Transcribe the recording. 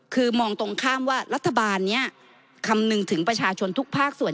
คือมองตรงข้ามว่ารัฐบาลนี้คำนึงถึงประชาชนทุกภาคส่วน